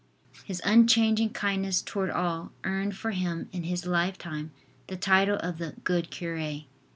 His unchanging kindness toward all earned for him in his life time the title of the "Good Cure."